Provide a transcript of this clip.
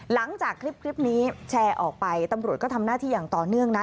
หลังจากคลิปนี้แชร์ออกไปตำรวจก็ทำหน้าที่อย่างต่อเนื่องนะ